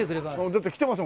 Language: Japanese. だって来てます